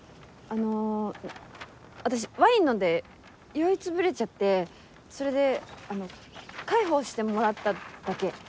あの私ワイン飲んで酔い潰れちゃってそれで介抱してもらっただけ。